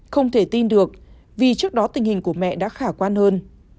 không thể tin được vì trước đó tình hình của mẹ đã khả quan hơn